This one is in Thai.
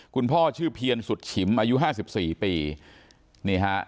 คุณพ่อชื่อเพียรสุดฉิมอายุ๕๔ปีนี่ฮะ